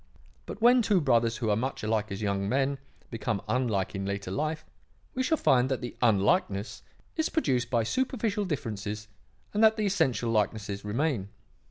But when two brothers who are much alike as young men, become unlike in later life, we shall find that the unlikeness is produced by superficial differences and that the essential likeness remains.